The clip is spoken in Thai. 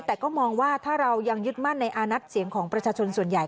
แต่ก็มองว่าถ้าเรายังยึดมั่นในอานัทเสียงของประชาชนส่วนใหญ่